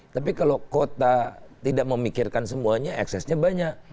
tapi kalau kota tidak memikirkan semuanya eksesnya banyak